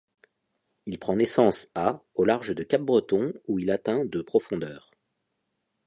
Il prend naissance à au large de Capbreton où il atteint de profondeur.